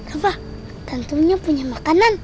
apa tentunya punya makanan